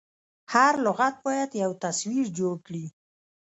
هر لغت باید یو تصویر جوړ کړي.